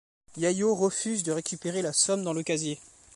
Yayo refuse de récupérer la somme dans le casier.